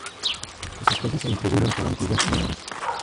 Sus especies se distribuyen por las Antillas Menores.